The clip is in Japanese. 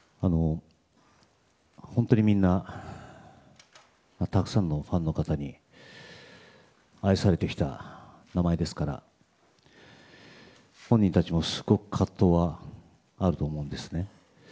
本当にみんなたくさんのファンの方に愛されてきた名前ですから本人たちもすごく葛藤はあると思うんですね。